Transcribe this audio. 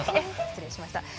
失礼しました。